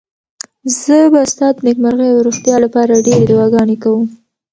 زه به ستا د نېکمرغۍ او روغتیا لپاره ډېرې دعاګانې کوم.